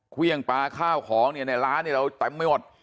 เครื่องปลาข้าวของเนี่ยในร้านเนี่ยเราเต็มไปหมด